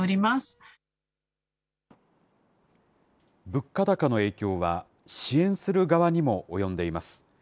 物価高の影響は、支援する側にも及んでいます。